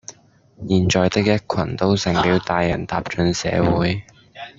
現在的一群都成了大人踏進社會